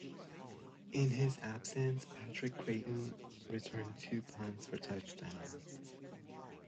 In his absence, Patrick Crayton returned two punts for touchdowns.